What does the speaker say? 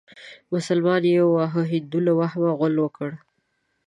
مسلمان يې واهه هندو له وهمه غول وکړه.